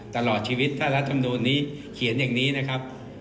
ตลอดชีวิตถ้ารัฐมนูลนี้เขียนอย่างนี้นะครับ